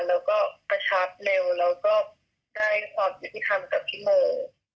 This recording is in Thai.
แล้วก็กระชับเร็วแล้วก็ได้ความยุติธรรมกับพี่โม